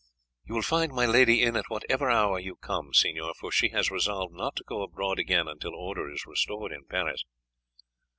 "You will find my lady in at whatever hour you come, signor, for she has resolved not to go abroad again until order is restored in Paris."